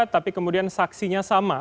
tapi kemudian saksinya sama